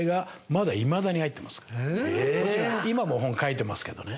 今も本書いてますけどね。